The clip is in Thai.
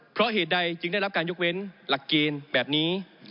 เพราะเหตุใดจึงได้รับการยกเว้นหลักเกณฑ์แบบนี้